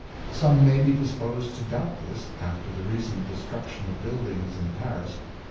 Some may be disposed to doubt this, after the recent destruction of buildings in Paris.